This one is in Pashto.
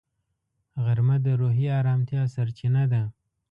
غرمه د روحي ارامتیا سرچینه ده